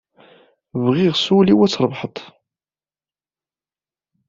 Bɣiɣ seg wul ad trebḥeḍ!